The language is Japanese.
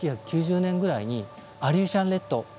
１９９０年ぐらいにアリューシャン列島